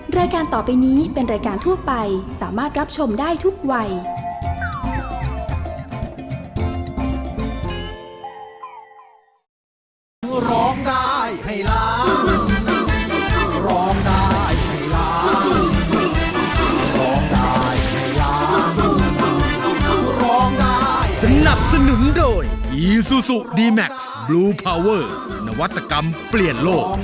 รายการต่อไปนี้เป็นรายการทั่วไปสามารถรับชมได้ทุกวัย